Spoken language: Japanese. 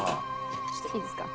ちょっといいですか？